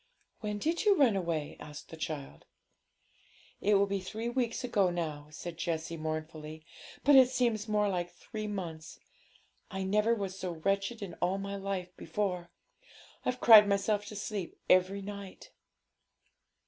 'When did you run away?' asked the child. 'It will be three weeks ago now,' said Jessie mournfully; 'but it seems more like three months. I never was so wretched in all my life before; I've cried myself to sleep every night.'